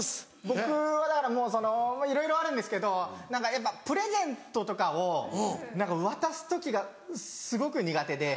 僕はだからもうそのいろいろあるんですけど何かやっぱプレゼントとかを何か渡す時がすごく苦手で。